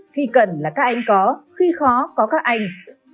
khi cần là các anh có khi khó có các anh